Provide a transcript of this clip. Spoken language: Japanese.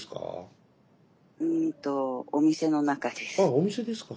あお店ですか。